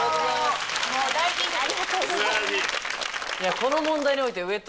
ありがとうございます。